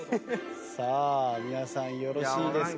さあ皆さんよろしいですか？